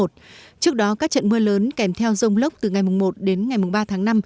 trước đó các trận mưa lớn kèm theo rông lốc từ ngày một đến ngày ba tháng năm